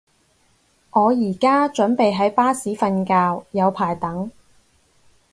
我而家準備喺巴士瞓覺，有排等